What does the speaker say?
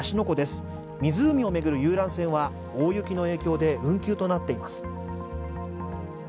湖を巡る遊覧船は大雪の影響で運休となっています。